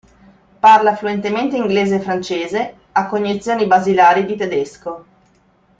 Parla fluentemente inglese e francese, ha cognizioni basilari di tedesco.